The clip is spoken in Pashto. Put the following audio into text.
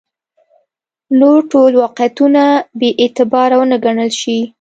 نور ټول واقعیتونه بې اعتباره ونه ګڼل شي.